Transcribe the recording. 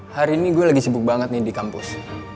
hari ini gue lagi sibuk banget nih di kampus